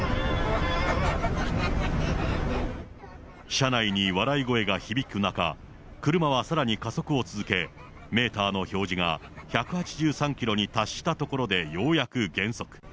車内に笑い声が響く中、車はさらに加速を続け、メーターの表示が１８３キロに達したところでようやく減速。